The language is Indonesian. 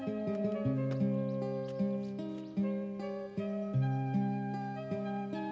untuk membuatkan kemampuan anda